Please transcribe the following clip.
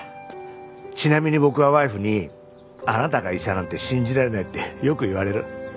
ちなみに僕はワイフに「あなたが医者なんて信じられない」ってよく言われる。